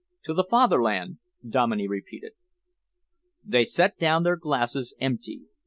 "To the Fatherland!" Dominey repeated. They set down their glasses, empty.